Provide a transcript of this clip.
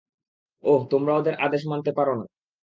ওহ, তোমরা ওদের আদেশ মানতে পারো না।